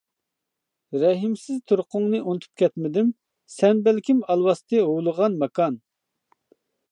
رەھىمسىز تۇرقۇڭنى ئۇنتۇپ كەتمىدىم، سەن بەلكىم ئالۋاستى ھۇۋلىغان ماكان.